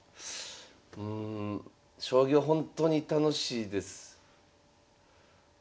うん将棋は本当に楽しいです。